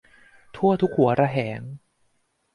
ทั่วทุกหัวระแหง